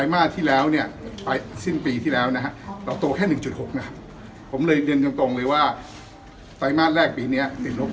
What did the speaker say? ำแลกเนี่ยติดลบแน่นอนท่ะครับ